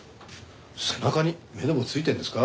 背中に目でもついてるんですか？